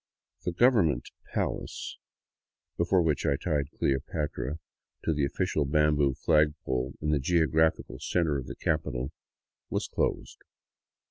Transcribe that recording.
The '* government palace," before which I tied " Cleopatra " to the of ficial bamboo flagpole in the geographical center of the capital, was closed.